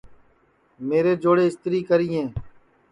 میرے چوڑے اِستری کریں